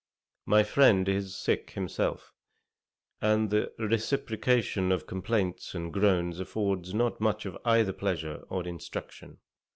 My friend is sick himself, and the reciprocation of complaints and groans affords not much of either pleasure or instruction.